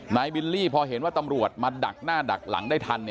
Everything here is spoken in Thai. บิลลี่พอเห็นว่าตำรวจมาดักหน้าดักหลังได้ทัน